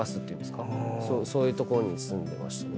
そういう所に住んでましたね。